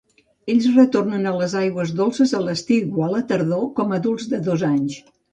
Ells retornen a les aigües dolces a l"estiu o la tardor com adults de dos anys.